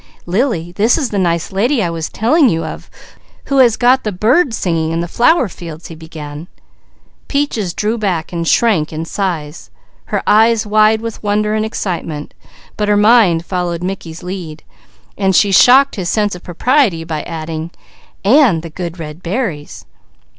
"Lily, this is the nice lady I was telling you of who has got the bird singing and the flower fields " he began. Peaches drew back, her eyes wide with wonder and excitement, but her mind followed Mickey's lead, for she shocked his sense of propriety by adding: "and the good red berries."